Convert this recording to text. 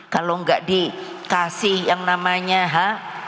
kalau enggak dikasih yang namanya ha